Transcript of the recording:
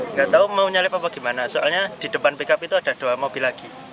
nggak tahu mau nyalip apa gimana soalnya di depan pickup itu ada dua mobil lagi